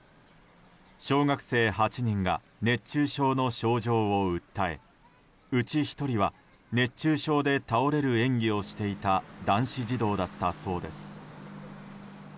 小学生８人が熱中症の症状を訴えうち１人は熱中症で倒れる演技をしていた男子児童だったそうです。